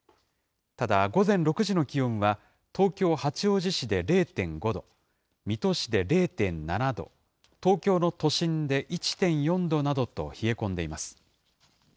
ただ、午前６時の気温は東京・八王子市で０．５度、水戸市で０．７度、東京の都心で１．４度などと冷え込んでいます。